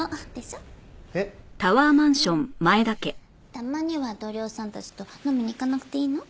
たまには同僚さんたちと飲みに行かなくていいの？